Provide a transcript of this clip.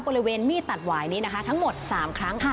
บริเวณมีดตัดหวายนี้นะคะทั้งหมด๓ครั้งค่ะ